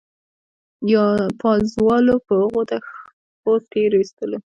پازوالو په هغو دغو تېرېستلو.